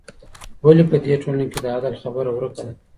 ولي په دې ټولنه کي د عدل خبره ورکه ده؟